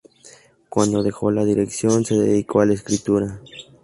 Cuando dejó la dirección se dedicó a la escritura.